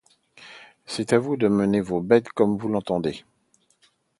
C’est à vous de mener vos bêtes comme vous l’entendez.